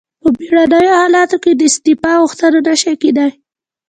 په بیړنیو حالاتو کې د استعفا غوښتنه نشي کیدای.